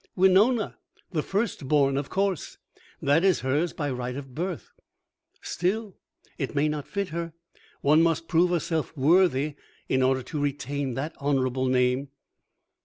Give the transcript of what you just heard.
"Winona, the First born, of course. That is hers by right of birth." "Still, it may not fit her. One must prove herself worthy in order to retain that honorable name."